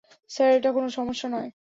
Sir, এটা কোন সমস্যা নয়।